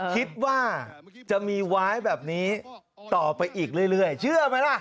คิดว่าจะมีว้ายแบบนี้ต่อไปอีกเรื่อยเชื่อไหมล่ะ